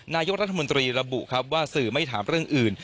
นายกรัฐมนตรีระบุครับว่าสื่อไม่ถามเรื่องอื่น